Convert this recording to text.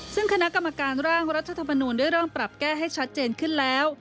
ซึ่งคณะกรรมการร่างรัฐธรรมนูลได้เริ่มปรับแก้ให้ชัดเจนขึ้นแล้ว